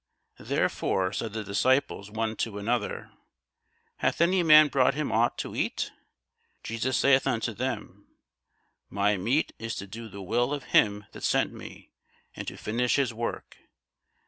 Therefore said the disciples one to another, Hath any man brought him ought to eat? Jesus saith unto them, My meat is to do the will of him that sent me, and to finish his work.